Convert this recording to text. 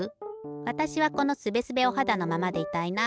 わたしはこのすべすべおはだのままでいたいな。